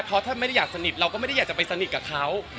เพราะถ้าไม่ได้อยากสนิทเราก็ไม่ได้อยากจะไปสนิทกับเขา